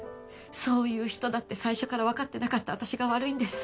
そういう人だって最初からわかってなかった私が悪いんです。